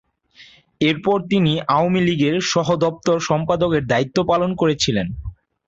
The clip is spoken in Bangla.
এরপর তিনি আওয়ামীলীগের সহ দপ্তর সম্পাদকের দায়িত্ব পালন করেছিলেন।